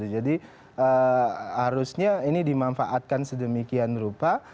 jadi harusnya ini dimanfaatkan sedemikian rupa